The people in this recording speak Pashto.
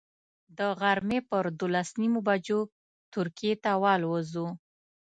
د غرمې پر دولس نیمو بجو ترکیې ته والوځو.